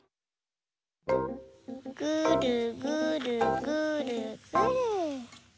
ぐるぐるぐるぐる。